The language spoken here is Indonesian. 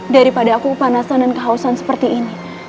daripada aku kepanasan dan kehausan seperti ini